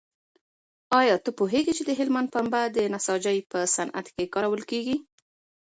ایا ته پوهېږې چې د هلمند پنبه د نساجۍ په صنعت کې کارول کېږي؟